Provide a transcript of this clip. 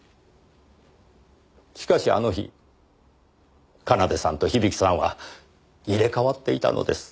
しかしあの日奏さんと響さんは入れ替わっていたのです。